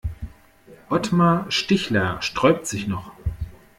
Otmar Stichler sträubt sich noch.